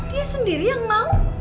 dia sendiri yang mau